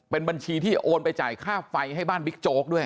เป็นบัญชีที่โอนไปจ่ายค่าไฟให้บ้านบิ๊กโจ๊กด้วย